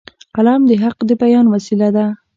قلم د حق د بیان وسیله ده